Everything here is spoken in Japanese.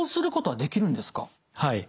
はい。